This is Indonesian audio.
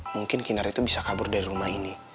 mungkin kinar itu bisa kabur dari rumah ini